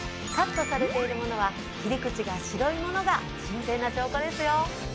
カットされているものは切り口が白いものが新鮮な証拠ですよ。